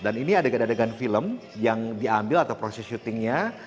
dan ini adegan adegan film yang diambil atau proses syutingnya